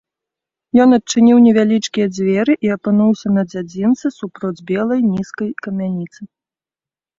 Ён адчыніў невялічкія дзверы і апынуўся на дзядзінцы супроць белай нізкай камяніцы.